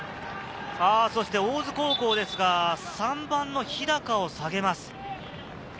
大津高校ですが３番の日高を下げます。